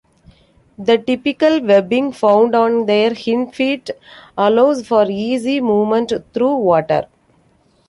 The typical webbing found on their hind feet allows for easy movement through water.